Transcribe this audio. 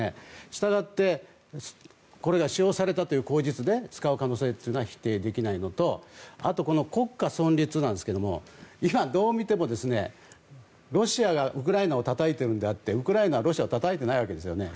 したがってこれが使用されたという口実で使う可能性は否定できないのとあと、国家存立ですが今、どう見てもロシアがウクライナをたたいているのであってウクライナはロシアをたたいてないわけですよね。